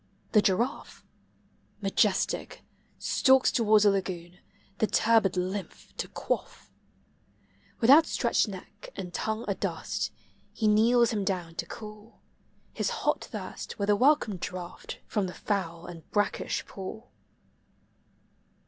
The giraffe, Majestic, stalks towards the lagoon, the turbid lymph to quaff; With outstretched neck and tongue adust, he kneels him down to cool His hot thirst with a welcome draught from the foul and brackish pool.